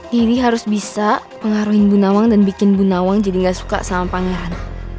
diri harus bisa mengaruhi bu nawang dan bikin bu nawang jadi gak suka sama pangeran